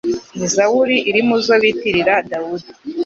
Ni zaburi iri mu zo bitirira Dawudi